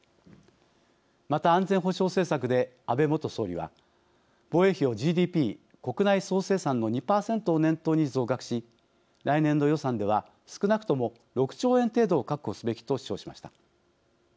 また安全保障政策で安倍元総理は防衛費をＧＤＰ＝国内総生産の２％を念頭に増額し来年度予算では少なくとも６兆円程度を確保すべきと主張しました。